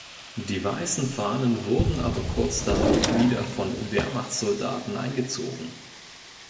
Die weißen Fahnen wurden aber kurz darauf wieder von Wehrmachtssoldaten eingezogen.